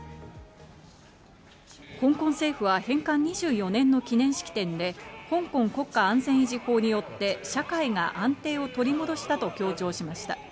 香港政府は返還２４年の記念式典で、香港国家安全維持法によって社会が安定を取り戻したと強調しました。